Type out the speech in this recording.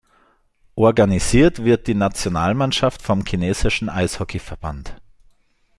Organisiert wird die Nationalmannschaft vom Chinesischen Eishockeyverband.